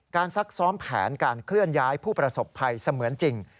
ซักซ้อมแผนการเคลื่อนย้ายผู้ประสบภัยเสมือนจริง